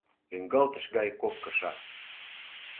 Лӱҥгалтыш гай кок кыша.